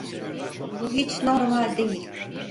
Bu hiç normal değil.